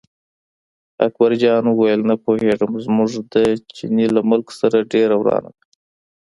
اکبرجان وویل نه پوهېږم، زموږ د چیني له ملک سره ډېره ورانه ده.